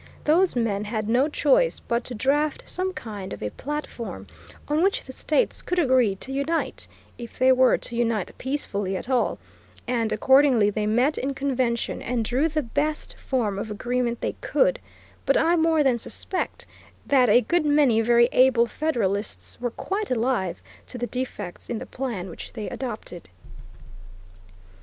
Those men had no choice but to draft some kind of a platform on which the states could agree to unite, if they were to unite peacefully at all, and accordingly they met in convention and drew the best form of agreement they could; but I more than suspect that a good many very able Federalists were quite alive to the defects in the plan which they adopted.